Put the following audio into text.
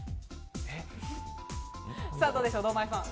どうでしょう、堂前さん。